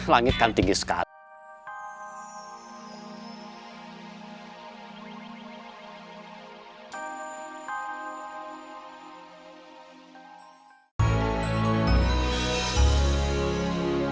langit kan tinggi sekali